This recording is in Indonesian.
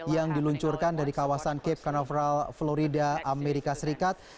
yang diluncurkan dari kawasan cape canaveral florida amerika serikat